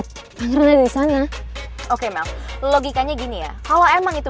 gak ada alesan lain kenapa lo gak suka gue khawatir sama dia